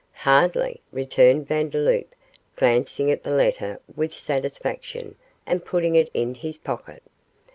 'Hardly!' returned Vandeloup, glancing at the letter with satisfaction, and putting it in his pocket.